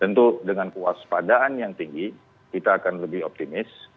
tentu dengan kewaspadaan yang tinggi kita akan lebih optimis